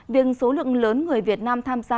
việc số lượng lớn người việt nam tham gia